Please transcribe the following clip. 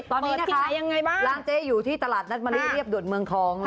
ตอนนี้นะคะร้านเจ๊อยู่ที่ตลาดนัดมะลิเรียบด่วนเมืองทอง